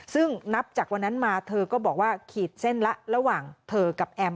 ซึ่งนับจากวันนั้นมาเธอก็บอกว่าขีดเส้นละระหว่างเธอกับแอม